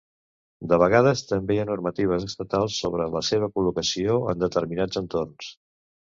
De vegades, també hi ha normatives estatals sobre la seva col locació en determinats entorns.